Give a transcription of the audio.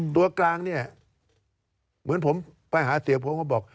ตัวกลางเนี่ยเหมือนผมไปหาเสียงผมก็บอก